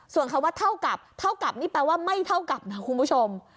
ส่วนคำว่าเท่ากับเท่ากับนี่แปลว่าไม่เท่ากับนะคุณผู้ชม